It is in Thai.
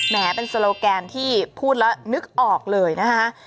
แม้เป็นโซโลแกนที่พูดแล้วนึกออกเลยนะคะ